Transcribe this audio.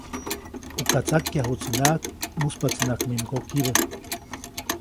Uka tsakyajuʼtsinaʼajk, mujspaʼtsinaʼajk mi mgokibä.